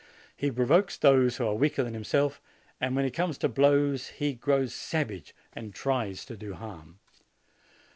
He provokes those who are weaker than himself, and when it come to blows, he grows savage and tries to do harm.